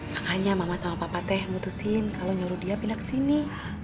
makanya mama sama papa teh mutusin kalau nyuruh dia pindah kesini